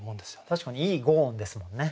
確かにいい５音ですもんね。